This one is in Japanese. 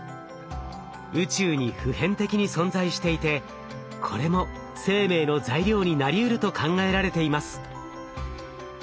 宇宙に普遍的に存在していてこれも生命の材料になりうると考えられています。